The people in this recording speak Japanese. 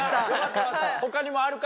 他にもあるか？